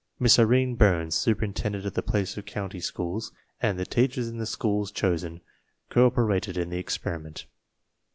Miss Irene Burns, superintendent of the Placer County schools, and the teachers in the schools chosen, co operated in the experiment.